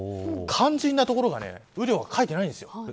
肝心なところの雨量が書いてないんです。